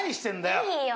いいよ